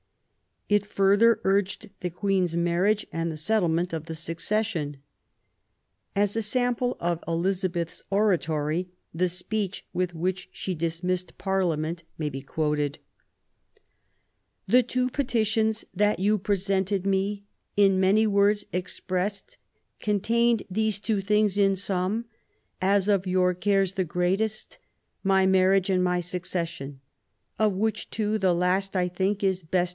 It fuplKer urged the Queen's marriage and the settleirlent of the succession. As a sample of Elizabeth's oratory, the speech with which she dismissed Parliament may be quoted :—" The two petitions that you presented me, in many words expressed, contained these two things in sum, as of your cares the greatest — my marriage and my succession — of which two, the last, I think, is best 76 Q UEEN ELIZABETH.